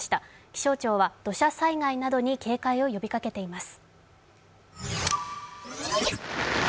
気象庁は土砂災害などに警戒を呼びかけています。